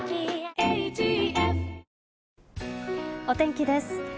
お天気です。